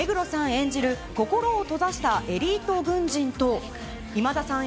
演じる心を閉ざしたエリート軍人と、今田さん